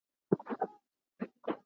خپل رازونه دی فقط له ځانه سره وساته